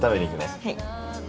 はい。